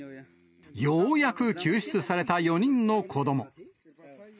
ようやく救出された４人の子ども。